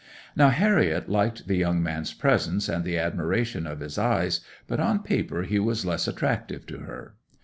'Now Harriet liked the young man's presents and the admiration of his eyes; but on paper he was less attractive to her.